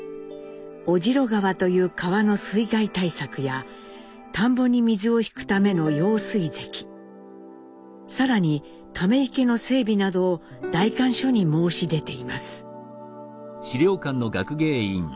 尾白川という川の水害対策や田んぼに水を引くための用水堰更に溜池の整備などを代官所に申し出ています。